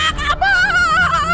kunci banget pintunya